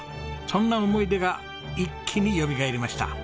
そんな思い出が一気によみがえりました。